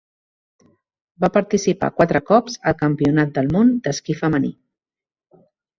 Va participar quatre cops al Campionat del món d'escacs femení.